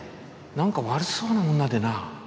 なんか悪そうな女でな。